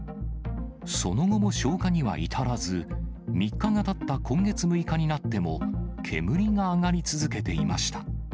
その後も消火には至らず、３日がたった今月６日になっても、煙が上がり続けていました。